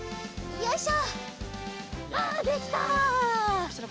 よいしょ！